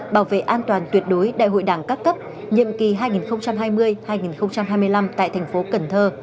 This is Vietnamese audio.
bảo vệ an toàn tuyệt đối đại hội đảng các cấp nhiệm kỳ hai nghìn hai mươi hai nghìn hai mươi năm tại thành phố cần thơ